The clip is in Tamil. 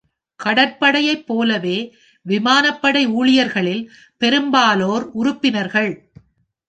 கடற்படையைப் போலவே, விமானப்படை ஊழியர்களில் பெரும்பாலோர் உறுப்பினர்கள்.